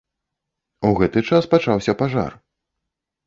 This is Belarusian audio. У гэты час пачаўся пажар.